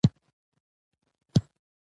لرګي خام مواد وګڼو.